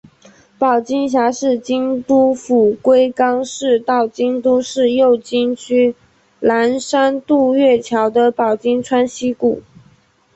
保津峡是京都府龟冈市到京都市右京区岚山渡月桥的保津川溪谷。